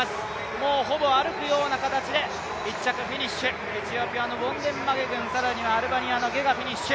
もうほぼ歩くような形で１着フィニッシュエチオピアのウォンデンマゲグン、更にはアルバニアのゲガがフィニッシュ。